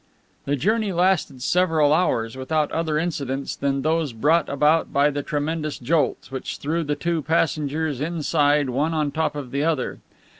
The journey lasted several hours without other incidents than those brought about by the tremendous jolts, which threw the two passengers inside one on top of the other.